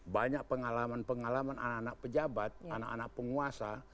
banyak pengalaman pengalaman anak anak pejabat anak anak penguasa